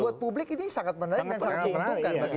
buat publik ini sangat menarik dan sangat menentukan